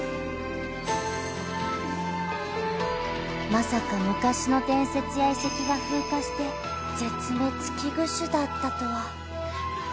［まさか昔の伝説や遺跡が風化して絶滅危惧種だったとは］